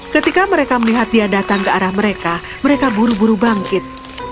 ketika mereka melihat dia datang ke arah mereka mereka buru buru bangkit